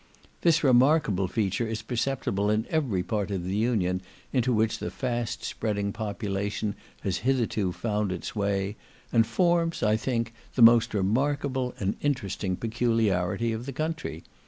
This remarkable feature is perceptible in every part of the union into which the fast spreading population has hitherto found its way, and forms, I think, the most remarkable and interesting peculiarity of the country.